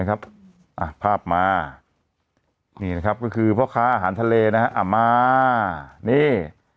ภาพมานี่นะครับก็คือพ่อค้าอาหารทะเลนะฮะมานี่